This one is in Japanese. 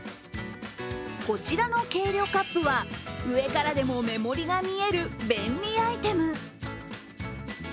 こちらの計量カップは上からでも目盛りが見える便利アイテム。